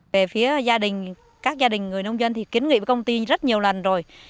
về phía gia đình các gia đình người nông dân thì kiến nghị với công ty rất nhiều lần rồi